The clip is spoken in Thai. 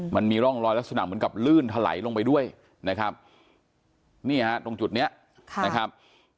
มันมีร่องรอยลักษณะเหมือนกับลื่นถลายลงไปด้วยนะครับนี่ฮะตรงจุดนี้นะครับ